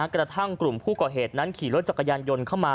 กลุ่มผู้ก่อเหตุนั้นขี่รถจักรยานยนต์เข้ามา